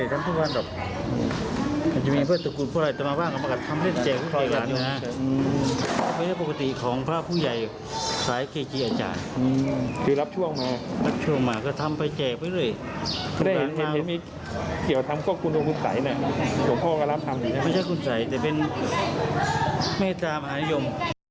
หลวงพ่อก็รับทำดีนะไม่ใช่คุณสัยแต่เป็นเมตตามหานิยม